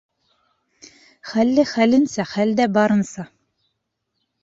Хәлле хәленсә, хәлдә барынса.